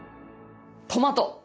トマト。